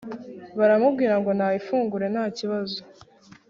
Baramubwira ngo nayifungure ntakibazo